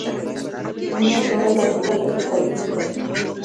No incluye todas las iglesias bautistas.